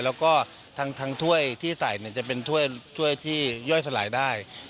แล้วก็ถ้างถ้วยที่ใส่จะเป็นช่วยซาสาวาด้าน